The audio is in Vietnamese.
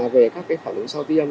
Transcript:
về các phản ứng sau tiêm